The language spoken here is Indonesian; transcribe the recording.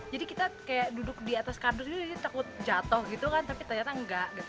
jadi kita kayak duduk di atas kardus ini takut jatuh gitu kan tapi ternyata enggak